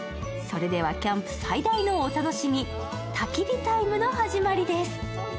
それではキャンプ最大のお楽しみたき火タイムの始まりです。